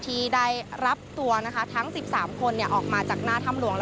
ที่ได้รับตัวทั้ง๑๓คนออกมาจากหน้าถ้ำหลวง